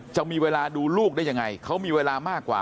จะมีเวลาดูลูกได้ยังไงเขามีเวลามากกว่า